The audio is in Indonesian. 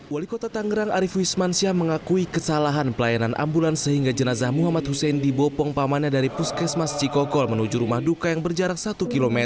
wali kota tangerang arief wismansyah mengakui kesalahan pelayanan ambulans sehingga jenazah muhammad hussein dibopong pamannya dari puskesmas cikokol menuju rumah duka yang berjarak satu km